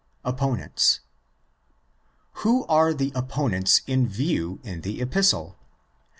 Opponents. Who are the opponents in view in the Epistle?